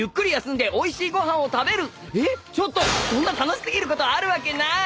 えっちょっとそんな楽しすぎることあるわけない。